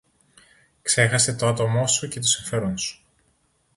Ξέχασε το άτομο σου και το συμφέρον σου